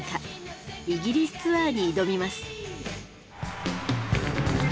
イギリスツアーに挑みます。